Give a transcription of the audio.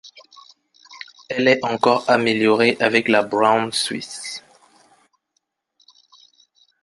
Elle est encore améliorée avec la brown swiss.